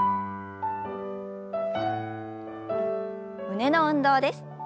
胸の運動です。